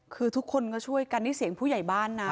คือทุกคนก็ช่วยกันนี่เสียงผู้ใหญ่บ้านนะ